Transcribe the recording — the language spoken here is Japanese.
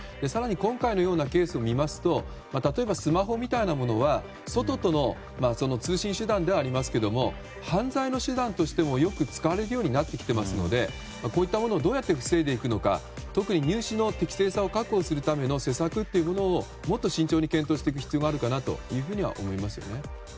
更に、今回のようなケースを見ますと例えばスマホみたいなものは外との通信手段ではありますけど犯罪の手段としてもよく使われるようになってきていますのでこういったものをどうやって防いでいくのか特に入試の適正さを確保するための施策をもっと慎重に検討していく必要があるかなと思います。